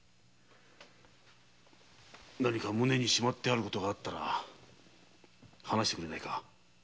何か胸にしまってある事があったら話してくれ。